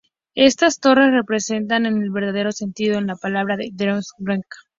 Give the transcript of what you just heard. Estas torres representan, en el verdadero sentido de la palabra, al Deutsche Bank.